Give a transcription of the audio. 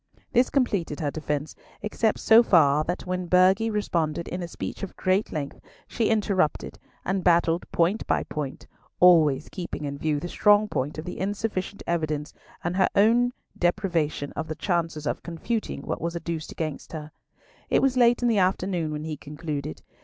This completed her defence, except so far that when Burghley responded in a speech of great length, she interrupted, and battled point by point, always keeping in view the strong point of the insufficient evidence and her own deprivation of the chances of confuting what was adduced against her. It was late in the afternoon when he concluded.